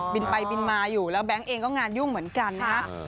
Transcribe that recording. บินไปบินมาอยู่แล้วแบงค์เองก็งานยุ่งเหมือนกันนะฮะ